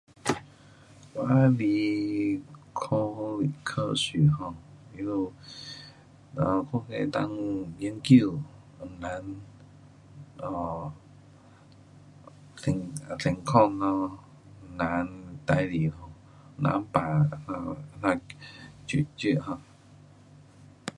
还是靠科学 um 他们可能能够研究，人天空咯，人事情，人病，解决 um